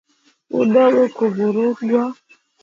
Udongo kuvurugwa